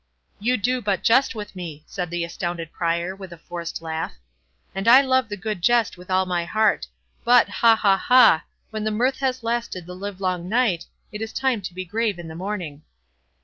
43 "You do but jest with me," said the astounded Prior, with a forced laugh; "and I love a good jest with all my heart. But, ha! ha! ha! when the mirth has lasted the livelong night, it is time to be grave in the morning."